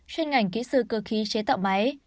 chuyên ngành kỹ sư cơ khí chế tạo máy